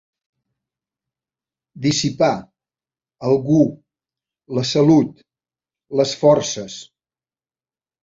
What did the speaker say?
Dissipar, algú, la salut, les forces.